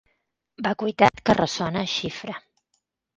Vacuïtat que ressona a xifra.